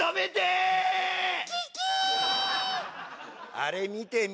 あれ見てみ。